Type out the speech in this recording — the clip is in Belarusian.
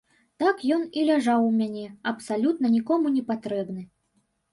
Так ён і ляжаў у мяне, абсалютна нікому не патрэбны.